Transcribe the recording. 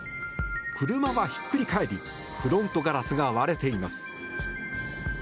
車はひっくり返りフロントガラスが割れています。